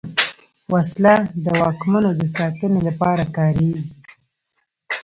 وسله د واکمنو د ساتنې لپاره کارېږي